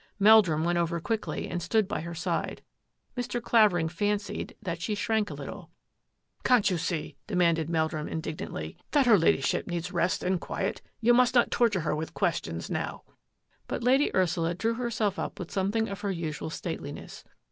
Meldrum went over quickly and stood by her side. Mr. Clavering fancied that she shrank a little. " Can't you see," demanded Meldrum indig 62 THAT AFFAIR AT THE MANOR nantly, " that her Ladyship needs rest and quiet? You must not torture her with questions now." But Lady Ursula drew herself up with some thing of her usual stateliness.